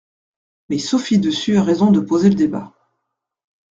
Mais Sophie Dessus a raison de poser le débat.